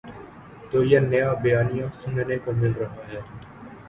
تو یہ نیا بیانیہ سننے کو مل رہا ہے۔